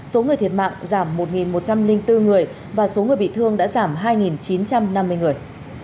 số người thiệt mạng giảm một một trăm linh bốn người và số người bị thương đã giảm hai chín trăm năm mươi người